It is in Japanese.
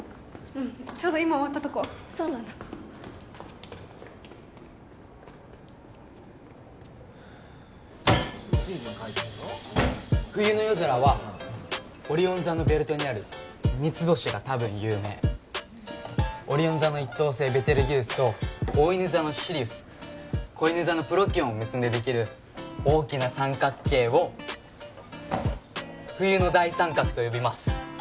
うんちょうど今終わったとこそうなんだ冬の夜空はオリオン座のベルトにある三つ星が多分有名オリオン座の１等星ベテルギウスとおおいぬ座のシリウスこいぬ座のプロキオンを結んでできる大きな三角形を冬の大三角と呼びます